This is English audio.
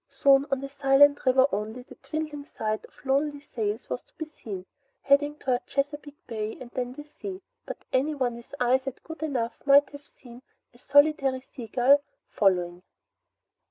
Soon on the silent river only a dwindling sight of lonely sails was to be seen, heading toward Chesapeake Bay and then to sea. But anyone with eyesight good enough might have seen a solitary sea gull, following.